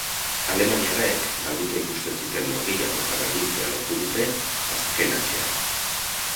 Alemaniarrek galduta ikusten zuten norgehiagoka berdintzea lortu dute azken hatsean.